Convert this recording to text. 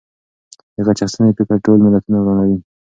د غچ اخیستنې فکر ټول ملتونه ورانوي.